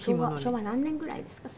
昭和何年ぐらいですか？